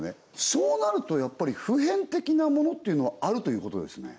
そうなるとやっぱり普遍的なものっていうのはあるということですね